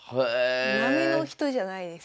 並の人じゃないです。